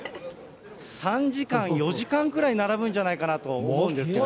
３時間、４時間ぐらい並ぶんじゃないかなと思うんですけどね。